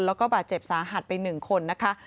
แล้วก็บาดเจ็บสาหัสไป๑คนนะคะ